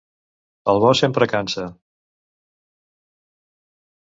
El bo sempre, cansa.